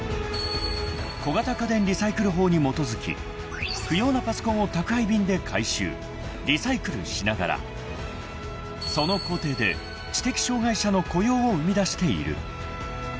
［小型家電リサイクル法に基づき不用なパソコンを宅配便で回収・リサイクルしながらその工程で知的障害者の雇用を生み出している］